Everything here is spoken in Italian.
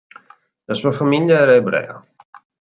La sua famiglia era ebrea.